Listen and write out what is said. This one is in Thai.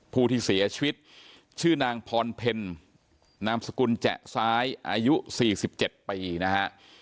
ผู้ที่เสียชีวิตชื่อนางพรเพลนามสกุลแจ๊ซ้ายอายุ๔๗ปีนะฮะ